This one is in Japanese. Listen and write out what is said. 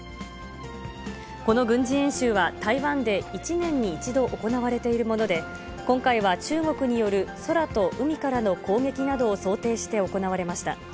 この軍事演習は台湾で１年に１度行われているもので、今回は中国による空と海からの攻撃などを想定して行われました。